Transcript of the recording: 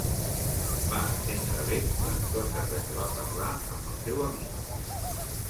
Va entendre bé les coses de què va parlar amb el seu amic.